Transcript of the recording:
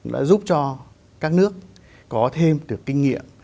đã giúp cho các nước có thêm được kinh nghiệm